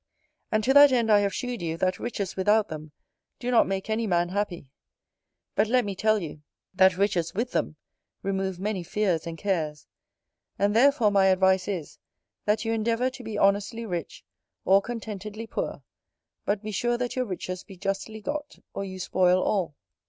And to that end I have shewed you, that riches without them, do not make any man happy. But let me tell you, that riches with them remove many fears and cares. And therefore my advice is, that you endeavour to be honestly rich, or contentedly poor: but be sure that your riches be justly got, or you spoil all.